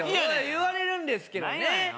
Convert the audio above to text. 言われるんですけどね